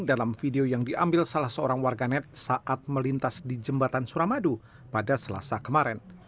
dalam video yang diambil salah seorang warganet saat melintas di jembatan suramadu pada selasa kemarin